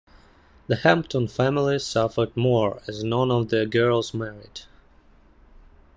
The Hampton family suffered more, as none of the girls married.